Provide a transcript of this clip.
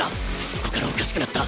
そこからおかしくなった。